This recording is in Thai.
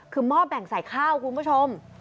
คือหม้อแบ่งใส่ข้าวคุณผู้ชม